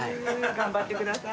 頑張ってください。